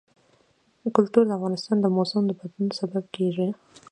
کلتور د افغانستان د موسم د بدلون سبب کېږي.